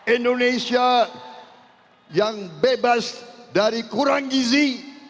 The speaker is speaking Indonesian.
indonesia yang bebas dari kurang gizi